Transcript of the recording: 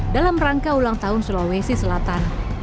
dalam rangka ulang tahun sulawesi selatan